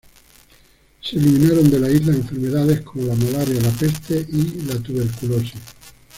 Se eliminaron de la isla enfermedades como la malaria, la peste, y la tuberculosis.